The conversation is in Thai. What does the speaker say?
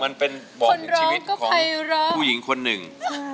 มันเป็นบอกชีวิตของผู้หญิงคนหนึ่ง